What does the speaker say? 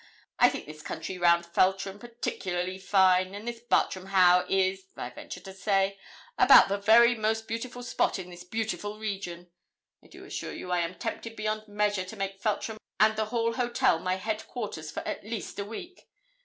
I think this country round Feltram particularly fine; and this Bartram Haugh is, I venture to say, about the very most beautiful spot in this beautiful region. I do assure you I am tempted beyond measure to make Feltram and the Hall Hotel my head quarters for at least a week.